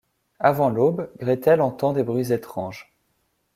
Avant l'aube, Gretel entend des bruits étranges.